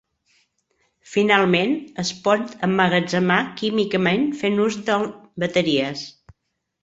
Finalment, es pot emmagatzemar químicament fent ús de bateries.